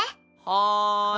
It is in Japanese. はい。